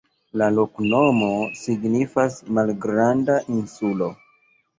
La loknomo signifas: malgranda insulo.